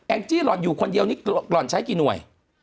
จี้หล่อนอยู่คนเดียวนี่หล่อนใช้กี่หน่วย